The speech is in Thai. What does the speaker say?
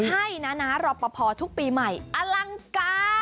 ให้น้ารอบประพอบ์ทุกปีใหม่อลังการ